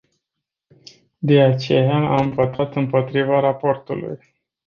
De aceea, am votat împotriva raportului.